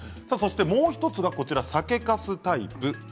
もう１つが酒かすタイプ。